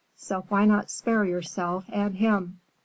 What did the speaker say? So why not spare yourself and him?"